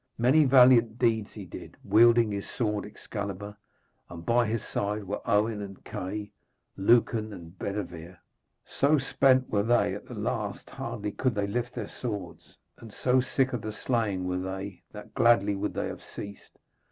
Many valiant deeds he did, wielding his sword Excalibur; and by his side were Owen and Kay, Lucan and Bedevere. So spent were they at the last that hardly could they lift their swords, and so sick of the slaying were they that gladly would they have ceased.